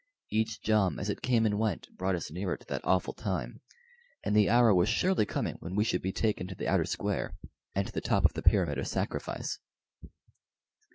Each jom as it came and went brought us nearer to that awful time, and the hour was surely coming when we should be taken to the outer square and to the top of the pyramid of sacrifice.